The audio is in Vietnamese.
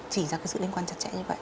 chỉ ra cái sự liên quan chặt chẽ như vậy